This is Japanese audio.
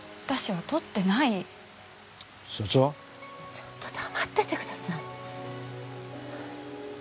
ちょっと黙っててください。